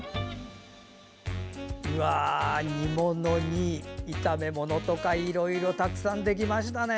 芋煮、炒め物とかいろいろたくさんできましたね。